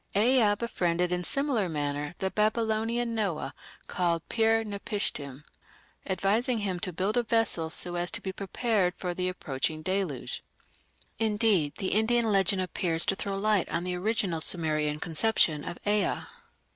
Ea befriended in similar manner the Babylonian Noah, called Pir napishtim, advising him to build a vessel so as to be prepared for the approaching Deluge. Indeed the Indian legend appears to throw light on the original Sumerian conception of Ea.